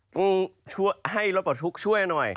ต้องช่วยให้รถปลดทุกข์ช่วยหน่อย